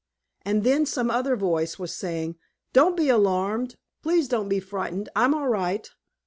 And then some other voice was saying, "Don't be alarmed. Please don't be frightened. I'm all right."